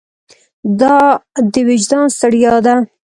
دا د وجدان ستړیا ده.